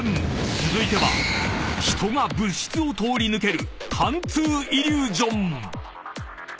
［続いては人が物質を通り抜ける］